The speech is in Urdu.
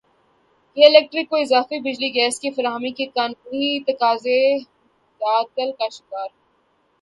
کے الیکٹرک کو اضافی بجلی گیس کی فراہمی کے قانونی تقاضے تعطل کا شکار